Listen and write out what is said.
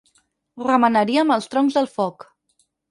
Remenaríem els troncs del foc.